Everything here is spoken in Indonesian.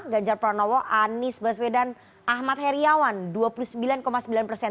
ganjar pranowo anies baswedan ahmad heriawan dua puluh sembilan sembilan persen